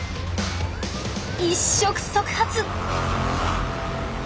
一触即発。